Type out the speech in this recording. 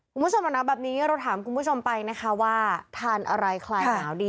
คุณผู้ชมหนาวแบบนี้เราถามคุณผู้ชมไปนะคะว่าทานอะไรคลายหนาวดี